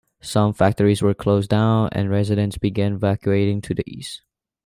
Some factories were closed down, and residents began evacuating to the east.